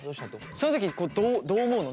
そういう時どう思うの？